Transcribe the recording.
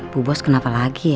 bu bos kenapa lagi ya